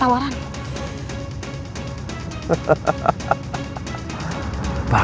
aku akan menerima tawaran